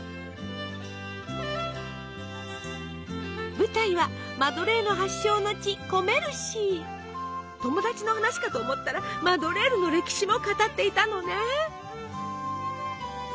舞台はマドレーヌ発祥の地友達の話かと思ったらマドレーヌの歴史も語っていたのね。